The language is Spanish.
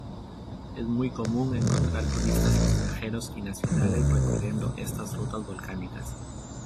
Es muy común encontrar turistas extranjeros y nacionales recorriendo estas rutas volcánicas.